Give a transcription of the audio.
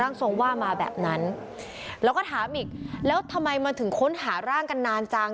ทรงว่ามาแบบนั้นแล้วก็ถามอีกแล้วทำไมมันถึงค้นหาร่างกันนานจัง